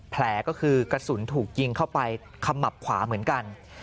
แผลก็คือกระสุนถูกยิงเข้าไปขมับขวาเหมือนกัน